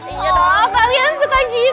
iya dong kalian suka gitu deh